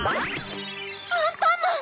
アンパンマン！